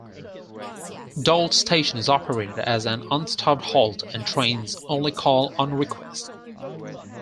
Dduallt station is operated as an unstaffed halt and trains only call on request.